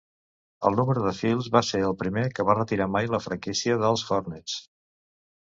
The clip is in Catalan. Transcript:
El número de Phills va ser el primer que va retirar mai la franquícia dels Hornets.